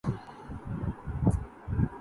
تمثالِ جلوہ عرض کر اے حسن! کب تلک